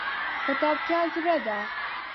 کتابچه زړه ده!